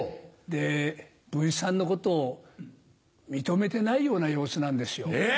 で文枝さんのことを認めてないような様子なんですよ。え！